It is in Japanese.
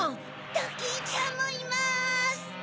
ドキンちゃんもいます！